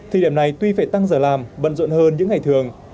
thì đẹp này tuy phải tăng giờ làm bận rộn hơn những ngày thường